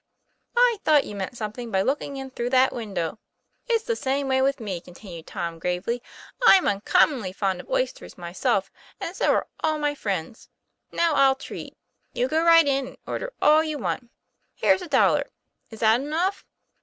" I thought you meant something by looking in through that window. It's the same way with me," continued Tom, gravely. ' I'm uncommonly fond of oysters myself, and so are all my friends. Now I'll treat. You go right in, and order all you want, Here's a dollar. Is that enough